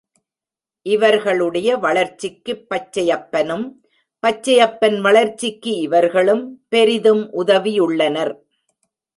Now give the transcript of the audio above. இவர்களுடைய வளர்ச்சிக்குப் பச்சையப்பனும், பச்சையப்பன் வளர்ச்சிக்கு இவர்களும் பெரிதும் உதவியுள்ளனர்.